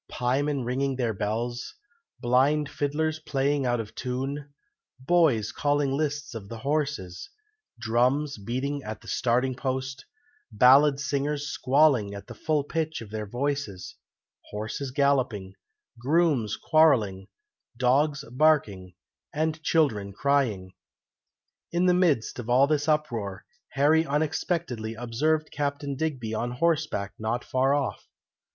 Piemen ringing their bells blind fiddlers playing out of tune boys calling lists of the horses drums beating at the starting post ballad singers squalling at the full pitch of their voices horses galloping grooms quarrelling dogs barking and children crying. In the midst of all this uproar, Harry unexpectedly observed Captain Digby on horseback not far off.